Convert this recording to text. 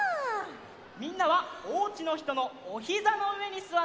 みんなはおうちのひとのおひざのうえにすわってください。